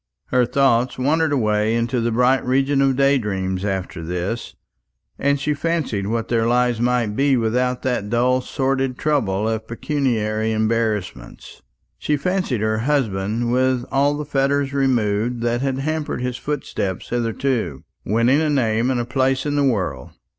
Her thoughts wandered away into the bright region of day dreams after this, and she fancied what their lives might be without that dull sordid trouble of pecuniary embarrassments. She fancied her husband, with all the fetters removed that had hampered his footsteps hitherto, winning a name and a place in the world.